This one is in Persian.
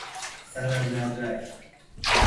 سند مدرک